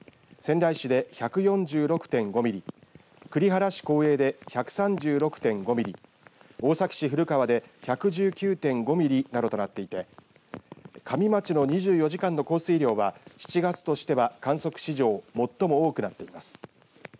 仙台市で１４６．５ミリ栗原市耕英で１３６．５ミリ大崎市古川で１１９．５ミリなどとなっていて加美町の２４時間の降水量は７月としては観測史上最も多くなっています。